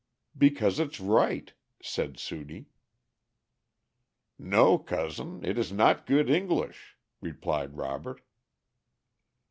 "Because it's right," said Sudie. "No, cousin, it is not good English," replied Robert.